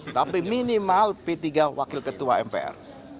tapi minimal p tiga wakil ketua mpr